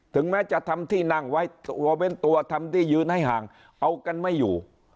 ถึงแม้จะทำที่นั่งไว้ตัวเว้นตัวทำที่ยืนให้ห่างเอากันไม่อยู่